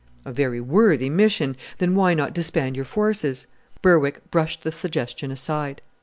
"A very worthy mission! Then why not disband your forces?" Berwick brushed the suggestion aside.